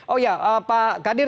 oh iya pak kadir